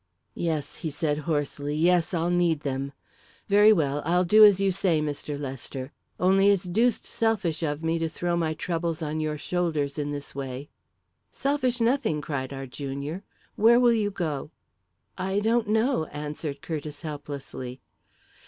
"Yes," he said hoarsely; "yes, I'll need them. Very well, I'll do as you say, Mr. Lester. Only it's deuced selfish of me to throw my troubles on your shoulders this way." "Selfish nothing!" cried our junior. "Where will you go?" "I don't know," answered Curtiss helplessly.